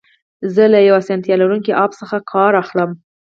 زه له یو اسانتیا لرونکي اپ څخه کار اخلم.